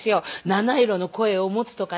七色の声を持つとかね